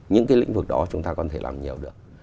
những cái lĩnh vực đó chúng ta còn thể làm nhiều